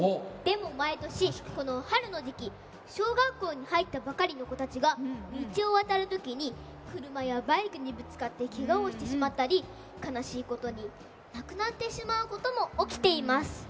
でも毎年、この春の時期小学校に入ったばかりの子たちが道を渡るときに車やバイクにぶつかって、けがをしたり悲しいことに亡くなってしまうことも起きています。